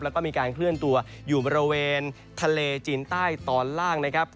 แล้วก็มีการเคลื่อนตัวอยู่บริเวณทะเลจีนใต้ตอนล่างนะครับ